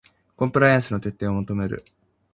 コンプライアンスの徹底を求める